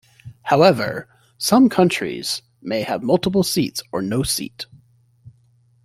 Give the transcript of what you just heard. However, some counties may have multiple seats or no seat.